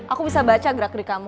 aku bisa baca gerak gerik kamu